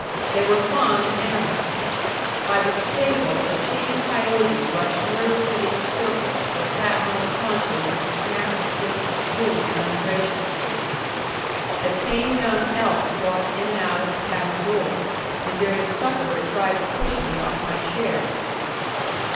They were fond of animals. By the stable a chained coyote rushed nervously in a circle, or sat on its haunches and snapped at gifts of food ungraciously. A tame young elk walked in and out of the cabin door, and during supper it tried to push me off my chair.